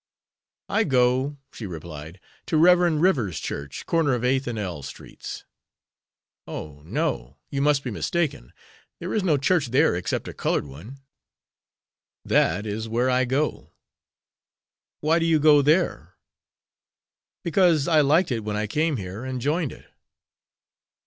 "I go," she replied, "to Rev. River's church, corner of Eighth and L Streets." "Oh, no; you must be mistaken. There is no church there except a colored one." "That is where I go." "Why do you go there?" "Because I liked it when I came here, and joined it."